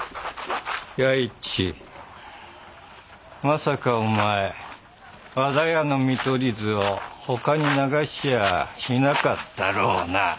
まさかお前和田屋の見取り図をほかに流しゃあしなかったろうな？